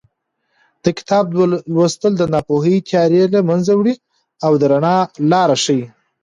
د کتاب لوستل د ناپوهۍ تیارې له منځه وړي او د رڼا لار ښیي.